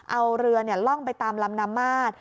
เอาเรือล่องไปตามลำน้ำมาด